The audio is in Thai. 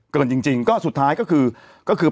ก็ยังจริงสุดท้ายก็คือ